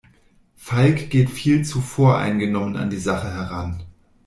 Falk geht viel zu voreingenommen an die Sache heran.